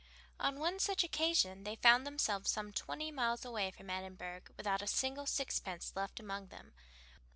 On one such occasion they found themselves some twenty miles away from Edinburgh without a single sixpence left among them.